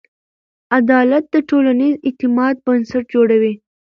عدالت د ټولنیز اعتماد بنسټ جوړوي.